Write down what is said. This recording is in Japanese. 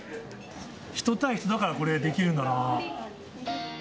人対人だから、これ、できるんだな。